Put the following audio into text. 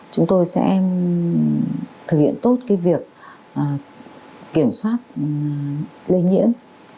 chúng tôi sẽ thực hiện tốt việc kiểm soát lây nhiễm